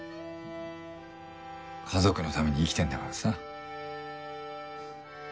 家族のために生きてんだからさ。